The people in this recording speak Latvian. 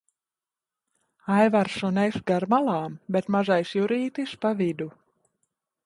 Aivars un es gar malām, bet mazais Jurītis pa vidu.